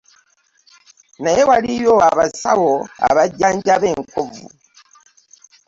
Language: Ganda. Naye waliyo abasawo abajjanjaba enkovu.